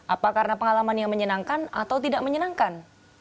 apa karena pengalaman yang menyenangkan atau tidak menyenangkan